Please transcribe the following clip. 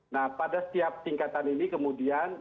nah pada setiap tingkatan ini kemudian